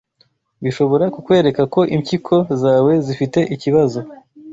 bishobora kukwereka ko impyiko zawe zifite ikibazo :